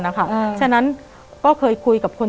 แต่ขอให้เรียนจบปริญญาตรีก่อน